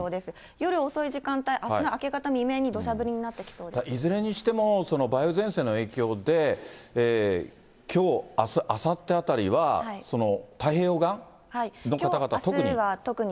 夜遅い時間帯、あすの明け方未明に、どしゃ降りになってきいずれにしても梅雨前線の影響で、きょう、あす、あさってあたりは太平洋側の方々特に。